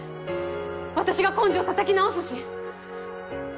私が根性たたき直すし。